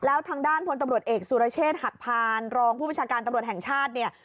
แล้วทางด้านพลตำรวจเอกสุรเชษฐ์หักพานรองผู้ประชาการตำรวจแห่งชาติเนี่ย